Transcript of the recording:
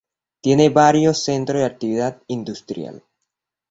Tiene varios centros de actividad industrial.